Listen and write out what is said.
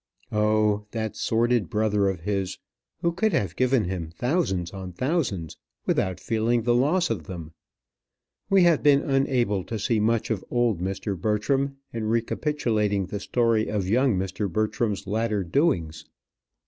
Oh, that sordid brother of his, who could have given him thousands on thousands without feeling the loss of them! We have been unable to see much of old Mr. Bertram in recapitulating the story of young Mr. Bertram's latter doings.